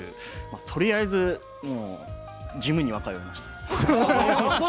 とりあえず、ジムには通いました。